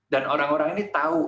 dan orang orang ini tahu